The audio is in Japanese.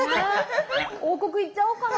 王国行っちゃおうかな。